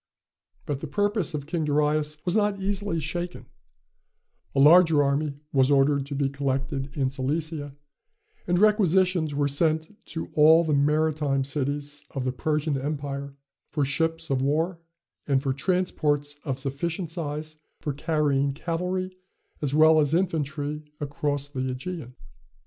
But the purpose of King Darius was not easily shaken, A larger army was ordered to be collected in Cilicia, and requisitions were sent to all the maritime cities of the Persian empire for ships of war, and for transports of sufficient size for carrying cavalry as well as infantry across the Ægean.